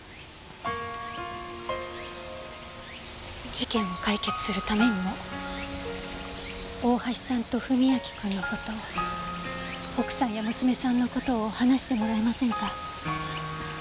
事件を解決するためにも大橋さんと史明君の事奥さんや娘さんの事を話してもらえませんか？